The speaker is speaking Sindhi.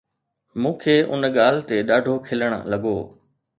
مون کي ان ڳالهه تي ڏاڍو کلڻ لڳو.